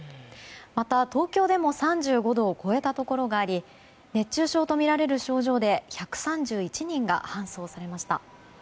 また、東京でも３５度を超えたところがあり熱中症とみられる症状で１３１人が搬送されました。